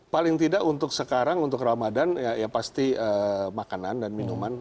paling tidak untuk sekarang untuk ramadan ya pasti makanan dan minuman